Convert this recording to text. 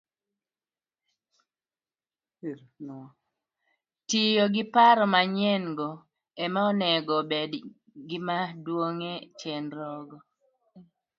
Tiyo gi paro manyien - go ema onego obed gimaduong ' e chenrogo